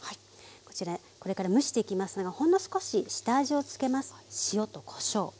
こちらこれから蒸していきますがほんの少し下味をつけます。